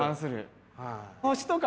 星とか。